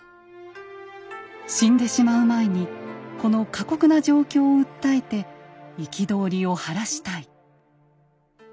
死んでしまう前にこの過酷な状況を訴えて憤りを晴らしたい。